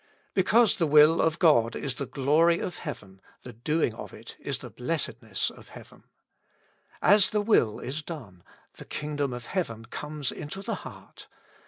Because the will of God is the glory of heaven, the doing of it is the blessedness of heaven. As the will is done, the kingdom of heaven comes into the heart.